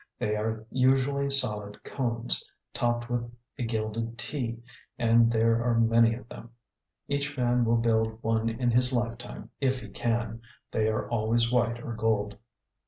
They are usually solid cones, topped with a gilded 'tee,' and there are many of them. Each man will build one in his lifetime if he can. They are always white or gold.